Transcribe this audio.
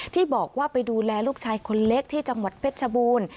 ที่บอกว่าไปดูแลลูกชายคนเล็กที่จังหวัดเพชรชบูรณ์